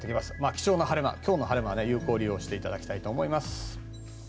貴重な晴れ間、今日の晴れ間は有効利用していただきたいと思います。